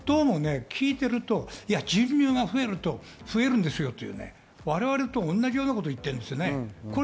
どうも人流が増えると増えるんですよと我々と同じようなこと言っているんですよ。